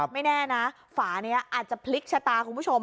ไม่แน่นะฝานี้อาจจะพลิกชะตาคุณผู้ชม